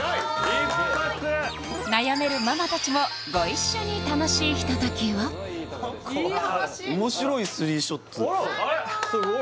一発悩めるママたちもご一緒に楽しいひとときをすごい